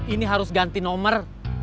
ini harus ganti nomor